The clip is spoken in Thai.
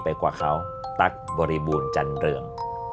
กว่าเขาตั๊กบริบูรณ์จันเรือง